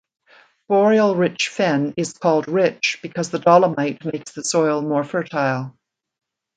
Boreal rich fen is called "rich" because the dolomite makes the soil more fertile.